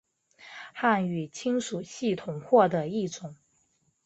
汉语亲属系统或的一种。